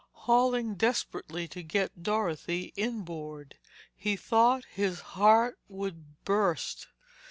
Hauling desperately to get Dorothy inboard, he thought his heart would burst.